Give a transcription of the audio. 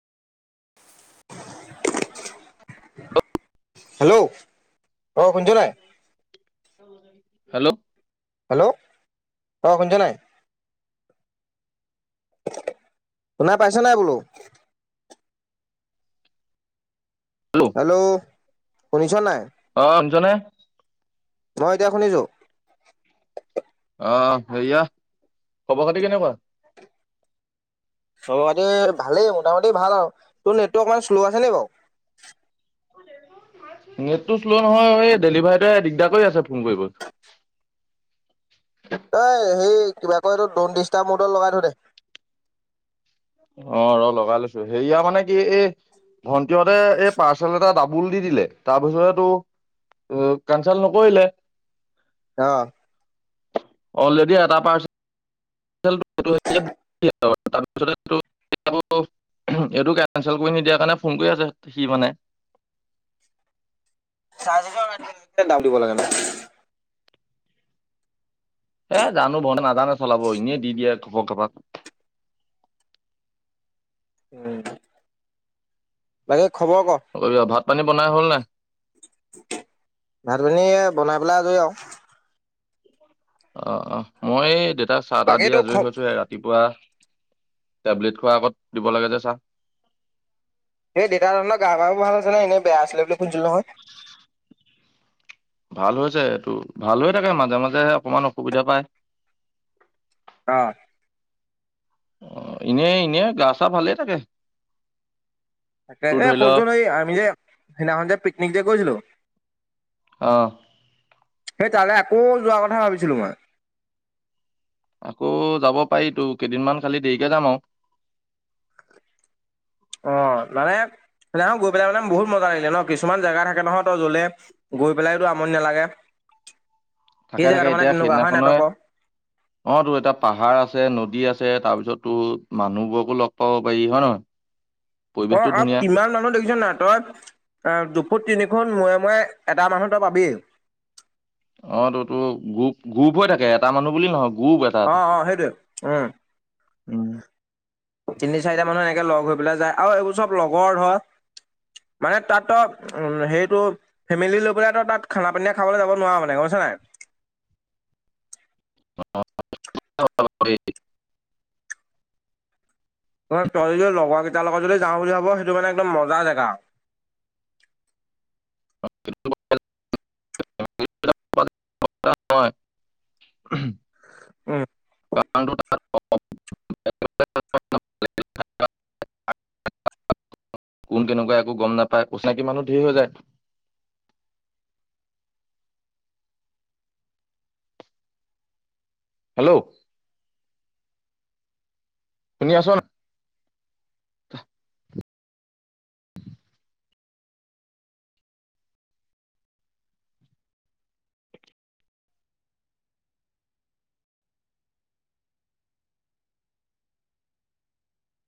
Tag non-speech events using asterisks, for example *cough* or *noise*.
Hello অ খুনচ নাই? হেল্ল' হেল্ল' অ শুছে নাই? শুনা পাইছে নাই বোলো? হেল্ল' শুনিছ নাই? অজনে? মই এতিয়া শুনিছো আহ, হেয়া খবৰ খাতি কেনেকুৱা? চ ভালেই মোটামুটি ভাল আৰু তোৰ নেটৱৰ্ অকমান শ্ল' আছেনে বাৰু? নেটটো শ্ল' নহয় এই ডেলিভাৰীটোৱে দিগদাৰ কৰি আছে ফোন কৰি *inaudible* এইঐ সেই কিবা কয় এইটো দন ডিষ্টটাৰ মডত লগাই থো দে অ', লগাই লৈছো সেয়া মানে কি এই ভন্টিহঁতে এই পাৰ্চেল এটা ডাবুল দি দিলে তাৰ পিছতেত টো অ', কেনচেল নকৰিলে আহ, অলৰেডি এটা পাৰ্চ *unintelligible* পিছ এইটো কেনচেল কৰি নিদিয়াৰ কাৰণে ফোন কৰি আছে সি মানে চাই দাম দিব লাগে ন- এ জানো ব নাজানে চলাব এনেই দি দিয়ে কব কবাক উম মাকে ভাত পানী বনাই হ'ল নে? ভাত পিনী বনাই পেলাই আজৰি আৰু অ', অ', মই এই দেউতাক চাহ, তাহ বাকী দিয় তোৰ খ আজৰি হৈছো ৰাতিপুৱা। টেবলেট খোৱাৰ আগত দিব লাগে যে, চাহ। এই দেউতা তহৰ গা, বাহো ভাল আছে ন, এনে বেয়া আছিলে বুলি শুধছিলো নহয়। ভাল হৈছে, এইটো ভাল হৈ থাকে, মাজে, মাজে অকমান অসুবিধা পায়। অ'। অ, এনে, এনে, গা, চা, ভালেই থাকে। তাকে তোৰ এ, ধৰি ল শনচোন এই আমি যে সেইদিনাখন যে পিকনিক যে গৈছিলো। আহ। সেই তালৈ আকৌ যোৱা কথা ভাবিছিলো মই। আকৌ যাব পাৰি তো, কেইদিনমান খালি দেৰিকে যাম আৰু। অ, নানে। সহয় গৈ পেলাই মানে বহুত মজা লাগিলে ন, কিছুমান জেগা থাকে, নহয়, তই জ্বলে গৈ পেলাইতো আমনি নালাগে। *inaudible* সেই থাকে, থাকে, জেগাটো মানে এতিয়া তেনেকুৱা হয় নাই তই সিদিনাখই ক অ, তো, এতিয়া পাহাৰ আছে নদী আছে তাৰপিছত টো মানুহবোৰকো লগ পাব পাৰি হয়, নহয়। পৰিৱেশটো অ', অ', ধুনীয়া কিমান মানুহ দোগিছে ন, তই দুফট, তিনি ফুট। ময় মই এটা মানুহ ত, পাবি। অ, ততো গ্ৰুপ গ্ৰুপ হৈ থাকে। এটা মানুহ বুলি নহওক। আহ, অ, হেইৰি উম। উম তিনি, চাৰিটা মানুহ এনেকে লগ হৈ, পেলাই যায় আৰু এইবোৰ চব লগৰ ধৰ মানে তাত, তো, সেইটো ফেমিলি লৈ পেললে তো, তাত খানা পানিয় খাবলৈ যাব নোৱাৰা মানে গুজছা নাই। *inaudible* *inaudible* ত, যদি লগৰ কেইটাৰ লগত যদি যাওঁ বুলি ভাব সেইটো মানে একদম মজা জেগা। *unintelligible* *unintelligible* উম। হয়। *inaudible* কোন, কেনেকুৱা একো গম নাপায়। কচিনাকী মানুহ ধৰ হৈ যায়। অ'। হেল্ল'? শুনি আছ, ন।